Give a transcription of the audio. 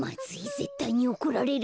ぜったいにおこられる。